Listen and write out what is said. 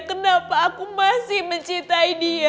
kenapa aku masih mencintai dia